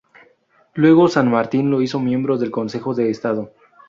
Luego San Martín lo hizo miembro del Consejo de Estado.